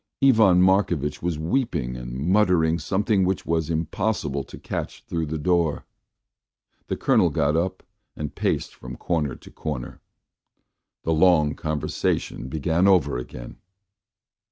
Ivan Markovitch was weeping and muttering something which it was impossible to catch through the door. The Colonel got up and paced from corner to corner. The long conversation began over again.